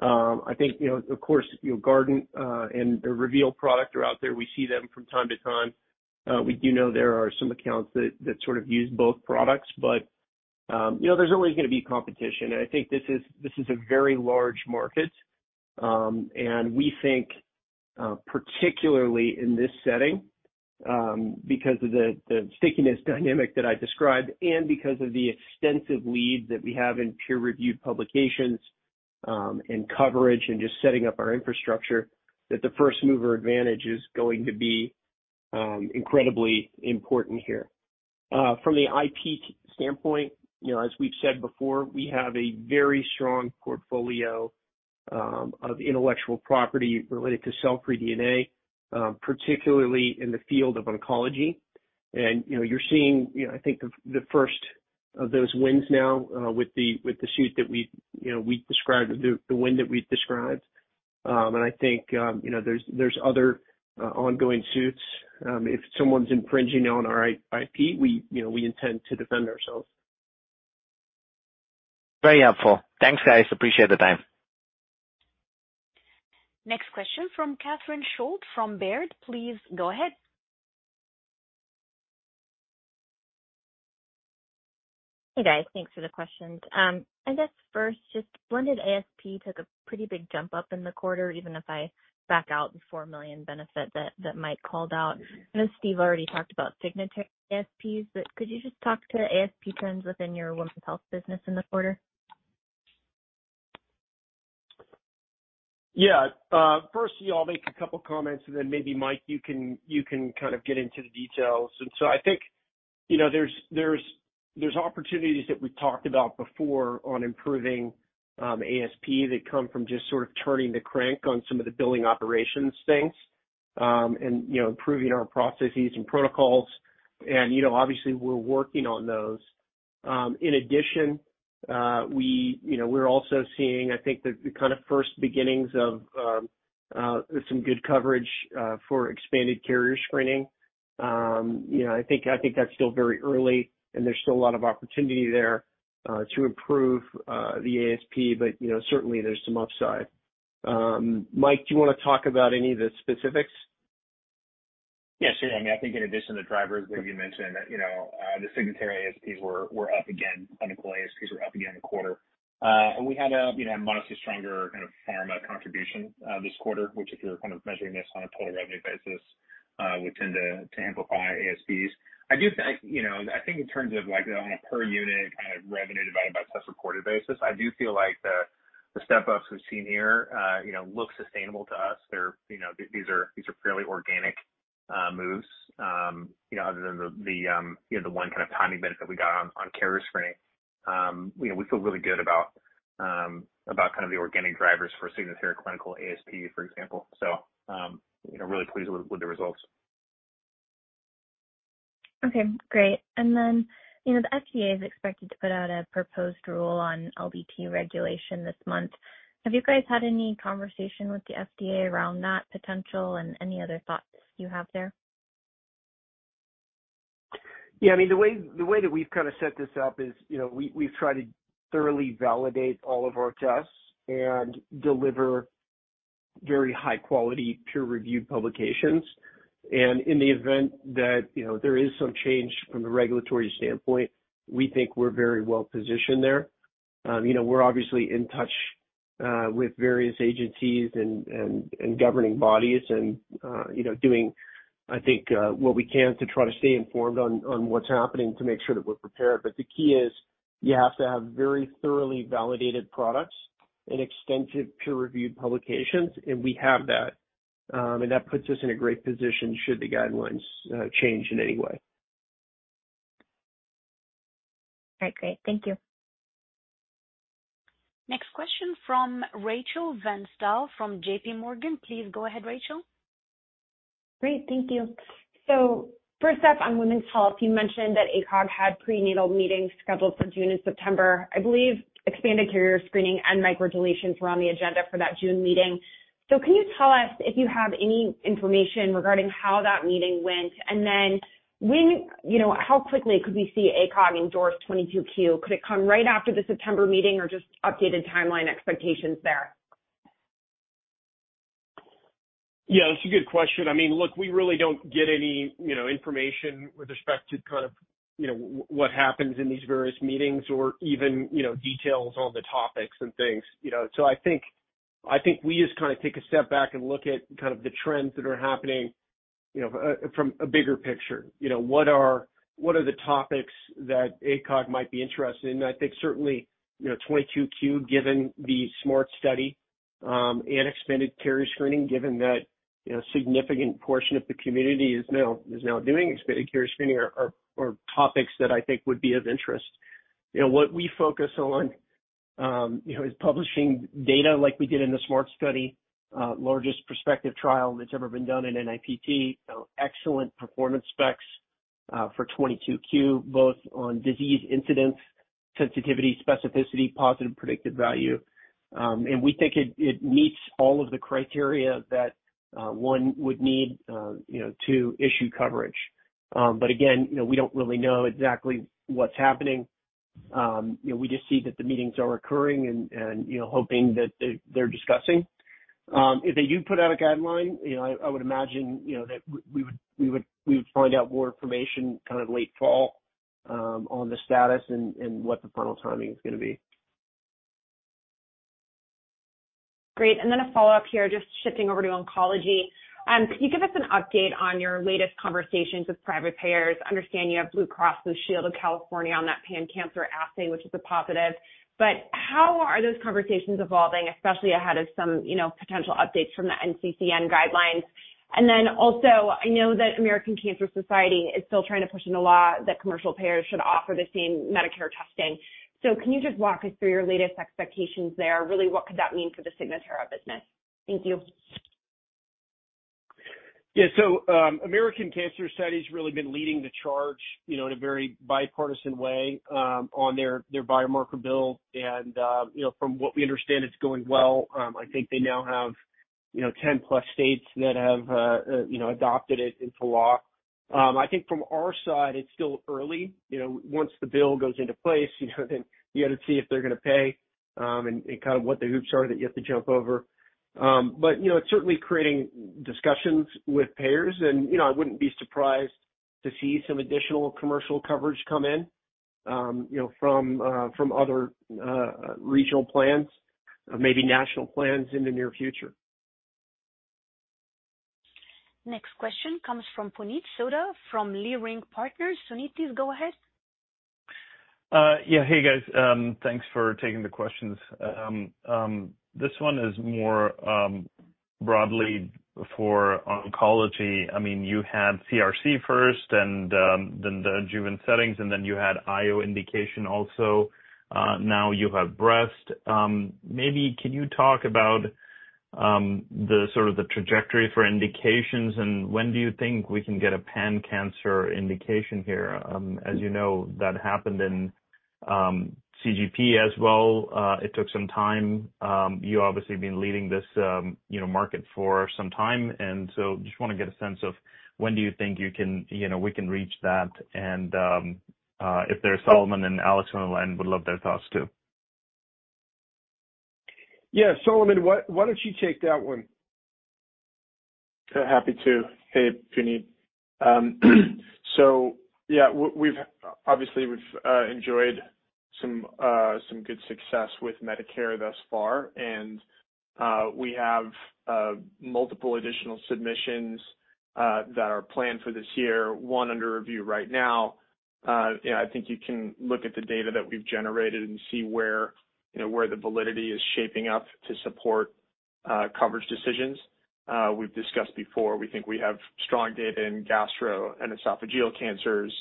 I think, you know, of course, you know, Guardant and the Reveal product are out there. We see them from time to time. We do know there are some accounts that, that sort of use both products, but, you know, there's always gonna be competition, and I think this is, this is a very large market. We think, particularly in this setting, because of the, the stickiness dynamic that I described and because of the extensive leads that we have in peer-reviewed publications, and coverage and just setting up our infrastructure, that the first mover advantage is going to be incredibly important here. From the IP standpoint, you know, as we've said before, we have a very strong portfolio of intellectual property related to cell-free DNA, particularly in the field of oncology. You know, you're seeing, you know, I think the of those wins now with the, with the suit that we, you know, we described, the, the win that we described. I think, you know, there's, there's other ongoing suits. If someone's infringing on our IP, we, you know, we intend to defend ourselves. Very helpful. Thanks, guys. Appreciate the time. Next question from Catherine Schulte from Baird. Please go ahead. Hey, guys. Thanks for the questions. I guess first, just blended ASP took a pretty big jump up in the quarter, even if I back out the $4 million benefit that, that Mike called out. I know Steve already talked about Signatera ASPs, but could you just talk to ASP trends within your women's health business in the quarter? Yeah. First, I'll make a couple comments and then maybe, Mike, you can, you can kind of get into the details. I think, you know, there's, there's, there's opportunities that we've talked about before on improving ASP that come from just sort of turning the crank on some of the billing operations things, and, you know, improving our processes and protocols and, you know, obviously we're working on those. In addition, we, you know, we're also seeing, I think the, the kind of first beginnings of some good coverage for expanded carrier screening. You know, I think, I think that's still very early and there's still a lot of opportunity there to improve the ASP, but, you know, certainly there's some upside. Mike, do you wanna talk about any of the specifics? Yes, sure. I mean, I think in addition to the drivers that you mentioned, you know, the Signatera ASPs were, were up again, clinical ASPs were up again in the quarter. We had a, you know, a modestly stronger kind of pharma contribution, this quarter, which if you're kind of measuring this on a total revenue basis, would tend to, to amplify ASPs. I do think, you know, I think in terms of like on a per unit kind of revenue divided by tests reported basis, I do feel like the, the step-ups we've seen here, you know, look sustainable to us. They're, you know, these are fairly organic, moves. You know, other than the, the, you know, the one kind of timing benefit that we got on, on carrier screening. You know, we feel really good about kind of the organic drivers for Signatera clinical ASP, for example. You know, really pleased with, with the results. Okay, great. Then, you know, the FDA is expected to put out a proposed rule on LDT regulation this month. Have you guys had any conversation with the FDA around that potential and any other thoughts you have there? Yeah, I mean, the way, the way that we've kind of set this up is, you know, we, we've tried to thoroughly validate all of our tests and deliver very high quality, peer-reviewed publications. In the event that, you know, there is some change from a regulatory standpoint, we think we're very well positioned there. You know, we're obviously in touch with various agencies and, and, and governing bodies and, you know, doing, I think, what we can to try to stay informed on, on what's happening, to make sure that we're prepared. The key is, you have to have very thoroughly validated products and extensive peer-reviewed publications, and we have that. That puts us in a great position should the guidelines change in any way. All right, great. Thank you. Next question from Rachel Vatnsdal from JPMorgan. Please go ahead, Rachel. Great. Thank you. First up, on women's health, you mentioned that ACOG had prenatal meetings scheduled for June and September. I believe expanded carrier screening and microdeletions were on the agenda for that June meeting. Can you tell us if you have any information regarding how that meeting went? Then when, you know, how quickly could we see ACOG endorse 22q? Could it come right after the September meeting or just updated timeline expectations there? Yeah, that's a good question. I mean, look, we really don't get any, you know, information with respect to kind of, you know, what happens in these various meetings or even, you know, details on the topics and things, you know. I think, I think we just kind of take a step back and look at kind of the trends that are happening, you know, from a bigger picture. You know, what are, what are the topics that ACOG might be interested in? I think certainly, you know, 22q, given the SMART study, and expanded carrier screening, given that, you know, a significant portion of the community is now, is now doing expanded carrier screening are, are topics that I think would be of interest. You know, what we focus on, you know, is publishing data like we did in the SMART trial, largest prospective trial that's ever been done in NIPT. Excellent performance specs for 22q, both on disease incidence, sensitivity, specificity, positive predictive value. We think it, it meets all of the criteria that one would need, you know, to issue coverage. Again, you know, we don't really know exactly what's happening. You know, we just see that the meetings are occurring and, and, you know, hoping that they're, they're discussing. If they do put out a guideline, you know, I, I would imagine, you know, that we would, we would, we would find out more information kind of late fall, on the status and, and what the final timing is gonna be. Great. Then a follow-up here, just shifting over to oncology. Can you give us an update on your latest conversations with private payers? I understand you have Blue Cross Blue Shield of California on that pan-cancer assay, which is a positive. How are those conversations evolving, especially ahead of some, you know, potential updates from the NCCN guidelines? Then also, I know that American Cancer Society is still trying to push in a law that commercial payers should offer the same Medicare testing. Can you just walk us through your latest expectations there? Really, what could that mean for the Signatera business? Thank you. Yeah, so, American Cancer Society has really been leading the charge, you know, in a very bipartisan way, on their, their biomarker bill. You know, from what we understand, it's going well. I think they now have, you know, 10-plus states that have, you know, adopted it into law. I think from our side, it's still early. You know, once the bill goes into place, you know, then you got to see if they're gonna pay, and, and kind of what the hoops are that you have to jump over. You know, it's certainly creating discussions with payers and, you know, I wouldn't be surprised to see some additional commercial coverage come in, you know, from, from other, regional plans, maybe national plans in the near future. Next question comes from Puneet Souda, from Leerink Partners. Puneet, please go ahead. Yeah. Hey, guys. Thanks for taking the questions. This one is more broadly for oncology. I mean, you had CRC first and then the adjuvant settings, and then you had IO indication also, now you have breast. Maybe can you talk about the sort of the trajectory for indications, and when do you think we can get a pan-cancer indication here? As you know, that happened in CGP as well. It took some time. You obviously been leading this, you know, market for some time, and so just want to get a sense of when do you think you can, you know, we can reach that? If there's Solomon and Alex on the line, would love their thoughts, too. Yeah. Solomon, why, why don't you take that one? Happy to. Hey, Puneet. Yeah, We've obviously we've enjoyed some good success with Medicare thus far, and we have multiple additional submissions that are planned for this year, one under review right now. You know, I think you can look at the data that we've generated and see where, you know, where the validity is shaping up to support coverage decisions. We've discussed before, we think we have strong data in gastric and esophageal cancers,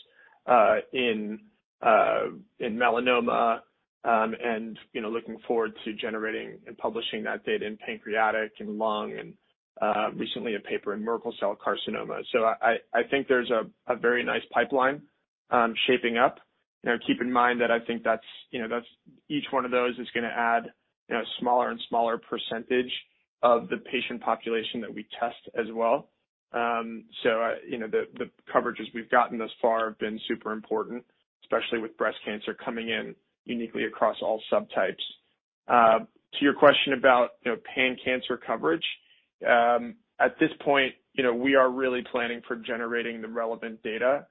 in melanoma, and, you know, looking forward to generating and publishing that data in pancreatic and lung, and recently a paper in Merkel cell carcinoma. I, I, I think there's a very nice pipeline shaping up. You know, keep in mind that I think that's, you know, that's each one of those is gonna add, you know, smaller and smaller percentage of the patient population that we test as well. You know, the, the coverages we've gotten thus far have been super important, especially with breast cancer coming in uniquely across all subtypes. To your question about, you know, pan-cancer coverage, at this point, you know, we are really planning for generating the relevant data,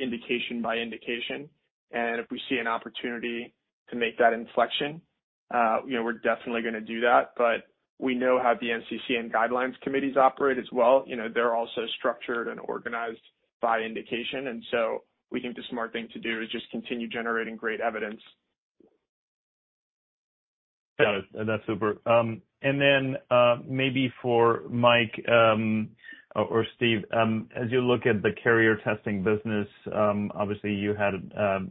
indication by indication. If we see an opportunity to make that inflection, you know, we're definitely gonna do that. We know how the NCCN guidelines committees operate as well. You know, they're also structured and organized by indication, and so we think the smart thing to do is just continue generating great evidence. Got it. That's super. Then, maybe for Mike, or, or Steve, as you look at the carrier testing business, obviously you had,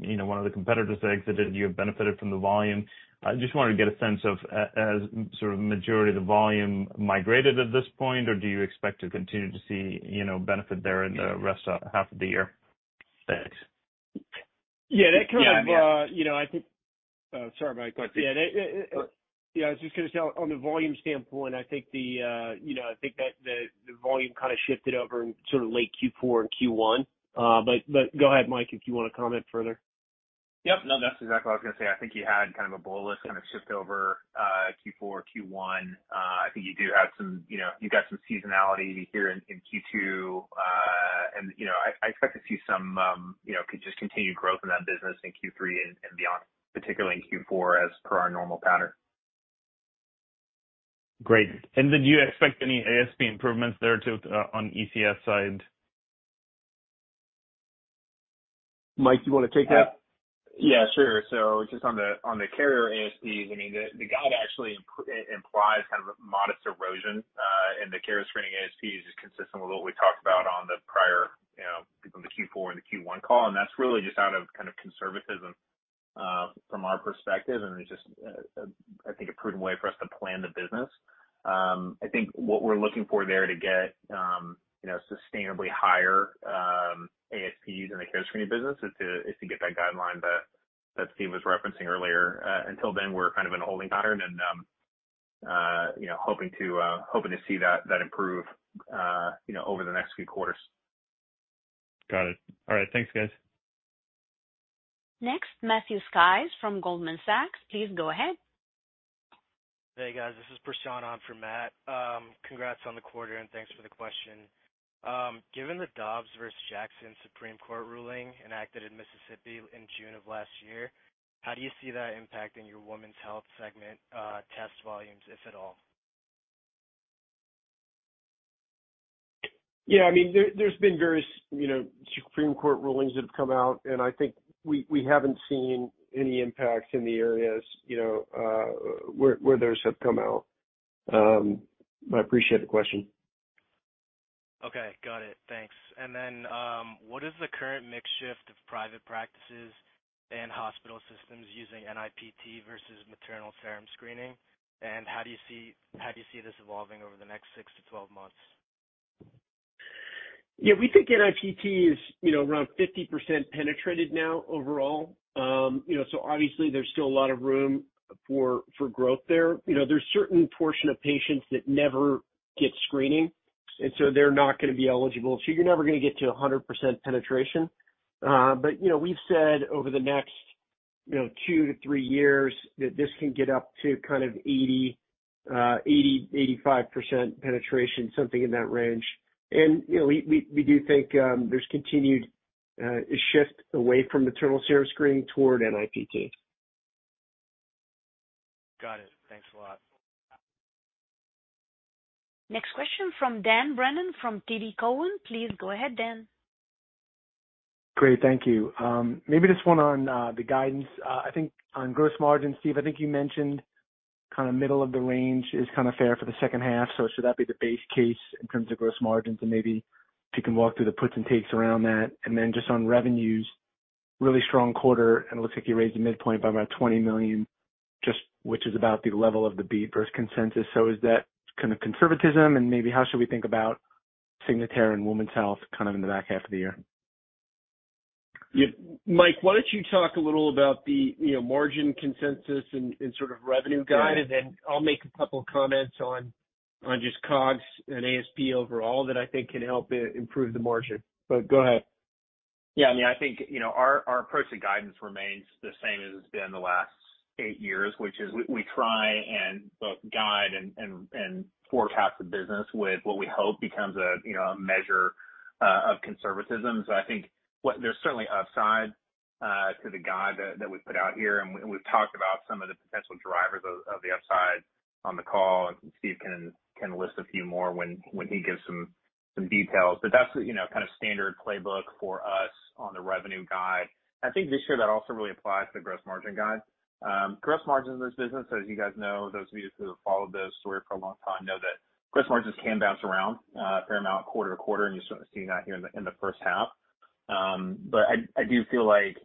you know, one of the competitors that exited, you have benefited from the volume. I just wanted to get a sense of as sort of majority of the volume migrated at this point, or do you expect to continue to see, you know, benefit there in the rest of half of the year? Thanks. Yeah, that kind of, you know, I think- Yeah, I mean... Sorry, Mike, go ahead. Yeah, I was just gonna say, on the volume standpoint, I think the, you know, I think that the volume kind of shifted over in sort of late Q4 and Q1. Go ahead, Mike, if you want to comment further. Yep. No, that's exactly what I was gonna say. I think you had kind of a bowl list kind of shift over Q4, Q1. I think you do have some, you know, you've got some seasonality here in Q2. You know, I, I expect to see some, you know, just continued growth in that business in Q3 and beyond, particularly in Q4, as per our normal pattern. Great. Did you expect any ASP improvements there too, on ECS side? Mike, do you want to take that? Yeah, sure. So just on the, on the carrier ASPs, I mean, the, the guide actually im- implies kind of a modest erosion in the carrier screening ASP is just consistent with what we talked about on the prior, you know, on the Q4 and the Q1 call. That's really just out of kind of conservatism from our perspective, and it's just, I think a prudent way for us to plan the business. I think what we're looking for there to get, you know, sustainably higher ASPs in the care screening business is to, is to get that guideline that, that Steve was referencing earlier. Until then, we're kind of in a holding pattern and, you know, hoping to, hoping to see that, that improve, you know, over the next few quarters. Got it. All right. Thanks, guys. Next, Matthew Sykes from Goldman Sachs, please go ahead. Hey, guys. This is Prashant on for Matt. Congrats on the quarter, thanks for the question. Given the Dobbs versus Jackson Supreme Court ruling enacted in Mississippi in June of last year, how do you see that impacting your women's health segment, test volumes, if at all? Yeah, I mean, there, there's been various, you know, Supreme Court rulings that have come out. I think we, we haven't seen any impacts in the areas, you know, where, where those have come out. I appreciate the question. Okay, got it. Thanks. Then, what is the current mix shift of private practices and hospital systems using NIPT versus maternal serum screening? How do you see-- how do you see this evolving over the next 6 to 12 months? Yeah, we think NIPT is, you know, around 50% penetrated now overall. You know, so obviously there's still a lot of room for, for growth there. You know, there's certain portion of patients that never get screening, so they're not gonna be eligible, so you're never gonna get to 100% penetration. We've said over the next, you know, 2-3 years, that this can get up to kind of 80%, 80%, 85% penetration, something in that range. You know, we, we, we do think, there's continued, shift away from maternal serum screening toward NIPT. Got it. Thanks a lot. Next question from Dan Brennan, from TD Cowen. Please go ahead, Dan. Great, thank you. Maybe just one on the guidance. I think on gross margin, Steve, I think you mentioned kind of middle of the range is kind of fair for the second half. Should that be the base case in terms of gross margins? Maybe if you can walk through the puts and takes around that. Just on revenues, really strong quarter, it looks like you raised the midpoint by about $20 million, just which is about the level of the beat versus consensus. Is that kind of conservatism? Maybe how should we think about Signatera and women's health kind of in the back half of the year? Yeah. Mike, why don't you talk a little about the, you know, margin consensus and, and sort of revenue guide, and then I'll make a couple comments on, on just COGS and ASP overall that I think can help improve the margin. Go ahead. Yeah. I mean, I think, you know, our, our approach to guidance remains the same as it's been the last eight years, which is we, we try and both guide and forecast the business with what we hope becomes a, you know, a measure of conservatism. I think there's certainly upside to the guide that we've put out here, and we've talked about some of the potential drivers of the upside on the call, and Steve can list a few more when he gives some details. That's the, you know, kind of standard playbook for us on the revenue guide. I think this year that also really applies to the gross margin guide. Gross margin in this business, as you guys know, those of you who have followed this story for a long time, know that gross margins can bounce around a fair amount quarter to quarter, and you're sort of seeing that here in the, in the first half. I, I do feel like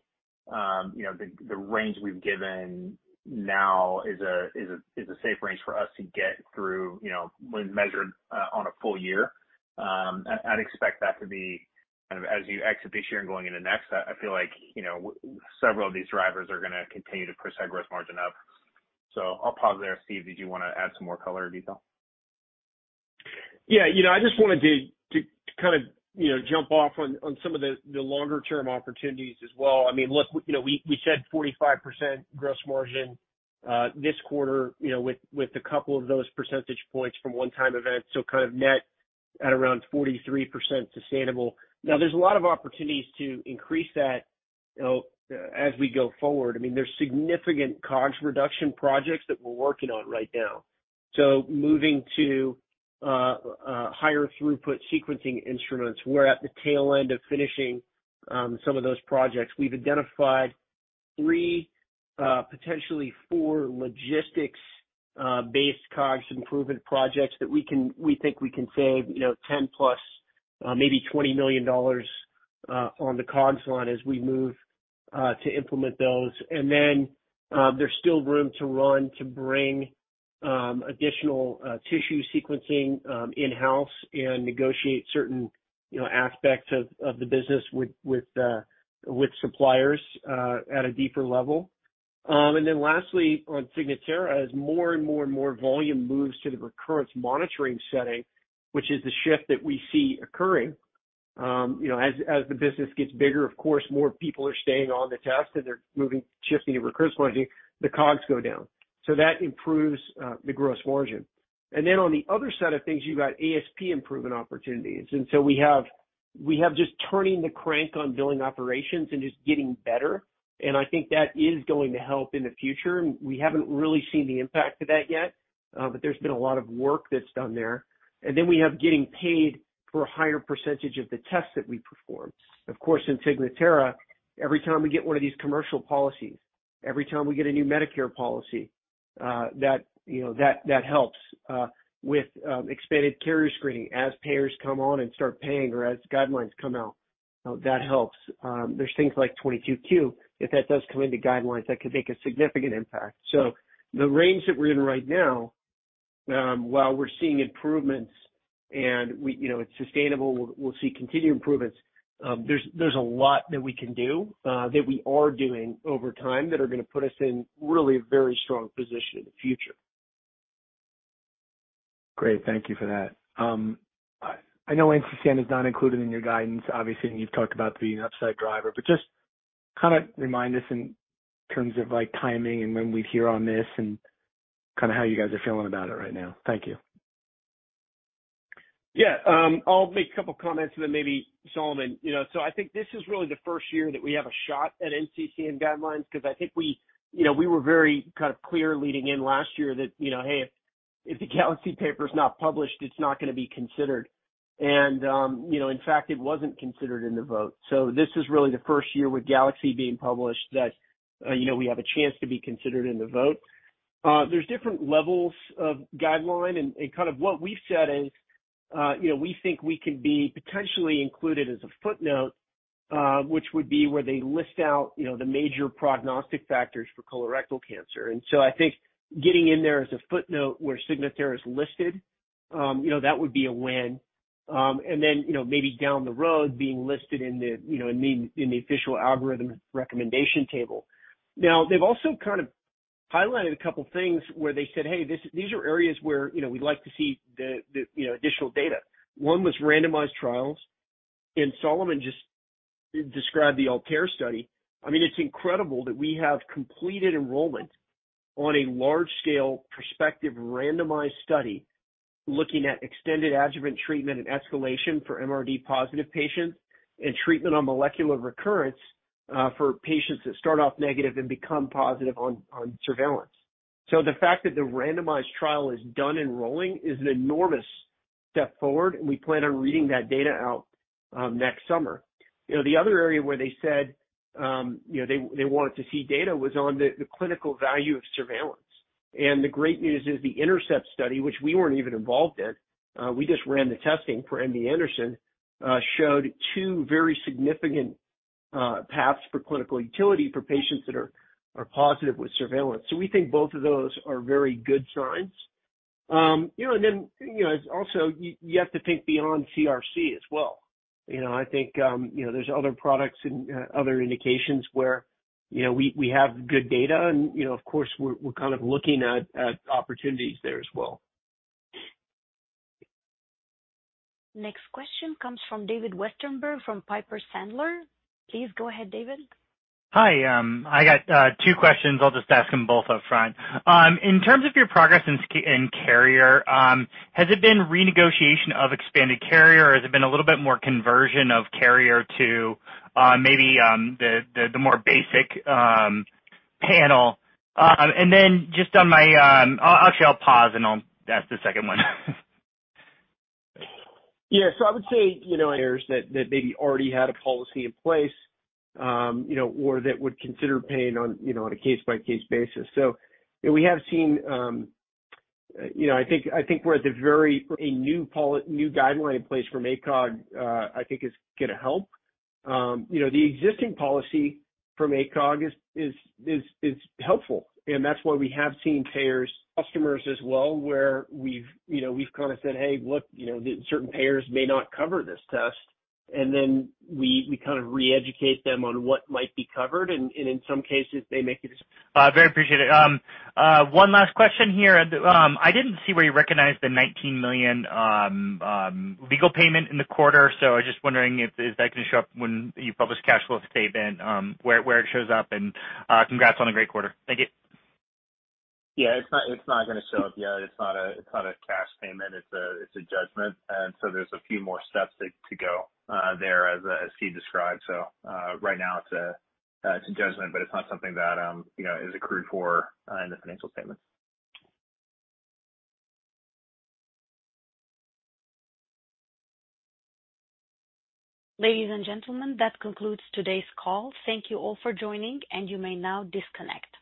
the range we've given now is a, is a, is a safe range for us to get through when measured on a full year. I'd, I'd expect that to be kind of as you exit this year and going into next, I feel like several of these drivers are gonna continue to push that gross margin up. I'll pause there. Steve, did you wanna add some more color or detail? Yeah, you know, I just wanted to, to, to kind of, you know, jump off on, on some of the, the longer term opportunities as well. I mean, look, you know, we, we said 45% gross margin, this quarter, you know, with, with a couple of those percentage points from one-time events, so kind of net at around 43% sustainable. Now, there's a lot of opportunities to increase that, you know, as we go forward. I mean, there's significant COGS reduction projects that we're working on right now. Moving to, higher throughput sequencing instruments, we're at the tail end of finishing, some of those projects. We've identified three, potentially four logistics-based COGS improvement projects that we can - we think we can save, you know, $10+ million, maybe $20 million, on the COGS line as we move to implement those. There's still room to run to bring additional tissue sequencing in-house and negotiate certain, you know, aspects of, of the business with, with suppliers at a deeper level. Lastly, on Signatera, as more and more and more volume moves to the recurrence monitoring setting, which is the shift that we see occurring, you know, as, as the business gets bigger, of course, more people are staying on the test, and they're moving, shifting to recurrence monitoring, the COGS go down. That improves the gross margin. On the other set of things, you've got ASP improvement opportunities. We have just turning the crank on billing operations and just getting better, and I think that is going to help in the future, and we haven't really seen the impact of that yet, but there's been a lot of work that's done there. We have getting paid for a higher percentage of the tests that we perform. Of course, in Signatera, every time we get one of these commercial policies, every time we get a new Medicare policy, that, you know, that, that helps with expanded carrier screening. As payers come on and start paying or as guidelines come out, that helps. There's things like 22q. If that does come into guidelines, that could make a significant impact. The range that we're in right now, while we're seeing improvements and we, you know, it's sustainable, we'll, we'll see continued improvements, there's, there's a lot that we can do, that we are doing over time, that are gonna put us in really a very strong position in the future. Great. Thank you for that. I know NCCN is not included in your guidance, obviously, and you've talked about the upside driver, but just kind of remind us in terms of, like, timing and when we'd hear on this and kind of how you guys are feeling about it right now? Thank you. Yeah, I'll make a couple comments and then maybe Solomon. You know, I think this is really the first year that we have a shot at NCCN guidelines, because I think we, you know, we were very kind of clear leading in last year that, you know, hey, if the GALAXY paper is not published, it's not gonna be considered. In fact, it wasn't considered in the vote. This is really the first year with GALAXY being published that, you know, we have a chance to be considered in the vote. There's different levels of guideline, and, and kind of what we've said is, you know, we think we can be potentially included as a footnote, which would be where they list out, you know, the major prognostic factors for colorectal cancer. I think getting in there as a footnote where Signatera is listed, you know, that would be a win. You know, maybe down the road being listed in the, you know, in the official algorithm recommendation table. Now, they've also kind of highlighted a couple things where they said, "Hey, these are areas where, you know, we'd like to see the, you know, additional data." One was randomized trials, and Solomon just described the ALTAIR study. I mean, it's incredible that we have completed enrollment on a large scale perspective, randomized study, looking at extended adjuvant treatment and escalation for MRD positive patients, and treatment on molecular recurrence, for patients that start off negative and become positive on, on surveillance. The fact that the randomized trial is done enrolling is an enormous step forward, and we plan on reading that data out, next summer. You know, the other area where they said, you know, they, they wanted to see data was on the, the clinical value of surveillance. The great news is the INTERCEPT study, which we weren't even involved in, we just ran the testing for MD Anderson, showed two very significant paths for clinical utility for patients that are, are positive with surveillance. We think both of those are very good signs. You know, and then, you know, also, you have to think beyond CRC as well. You know, I think, you know, there's other products and other indications where, you know, we, we have good data and, you know, of course, we're, we're kind of looking at, at opportunities there as well. Next question comes from David Westenberg, from Piper Sandler. Please go ahead, David. Hi. I got two questions. I'll just ask them both upfront. In terms of your progress in s- in carrier, has it been renegotiation of expanded carrier, or has it been a little bit more conversion of carrier to, maybe, the, the, the more basic, panel? Then just on my... Actually, I'll pause and I'll ask the second one. Yeah. I would say, you know, payers that, that maybe already had a policy in place, you know, or that would consider paying on, you know, on a case-by-case basis. We have seen, you know, I think, I think we're at a new guideline in place from ACOG, I think is gonna help. You know, the existing policy from ACOG is, is, is, is helpful, and that's why we have seen payers- customers as well, where we've, you know, we've kind of said, "Hey, look, you know, the certain payers may not cover this test." Then we, we kind of re-educate them on what might be covered, and, and in some cases, they make it- Very appreciated. One last question here. I didn't see where you recognized the $19 million legal payment in the quarter, so I was just wondering, is that going to show up when you publish cash flow statement, where it shows up? Congrats on a great quarter. Thank you. Yeah, it's not, it's not gonna show up yet. It's not a, it's not a cash payment, it's a, it's a judgment. There's a few more steps to, to go, there as, as Steve described. Right now it's a, it's a judgment, but it's not something that, you know, is accrued for, in the financial statements. Ladies and gentlemen, that concludes today's call. Thank you all for joining. You may now disconnect.